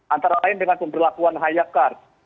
antara lain dengan pemberlakuan hayakkart